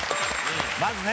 まずね。